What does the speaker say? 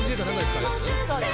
「そうです」